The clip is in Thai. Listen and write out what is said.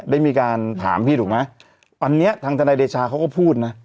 ได้มีการถามพี่ถูกไหมอันนี้ทางทนายเดชาเขาก็พูดนะ